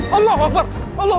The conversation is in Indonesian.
berdoa kepada allah